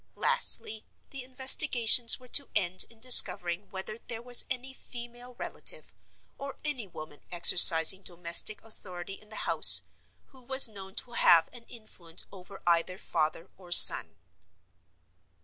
Lastly, the investigations were to end in discovering whether there was any female relative, or any woman exercising domestic authority in the house, who was known to have an influence over either father or son.